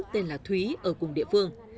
tên là thúy ở cùng địa phương